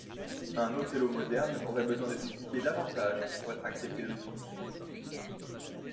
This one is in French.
Un Othello moderne aurait besoin de s’expliquer davantage pour être accepté de tous.